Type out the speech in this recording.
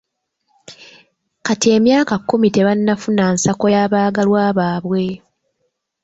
Kati emyaka kkumi tebannafuna nsako y'abaagalwa baabwe.